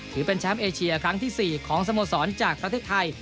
ถือเป็นแชมป์เอเชียครั้งที่๔ของสโมสรจากประเทศไทย